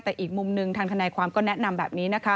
แต่อีกมุมหนึ่งฐานคณะความก็แนะนำแบบนี้